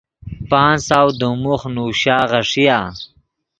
پانچ سو دیم موخ نوشا غیݰیا۔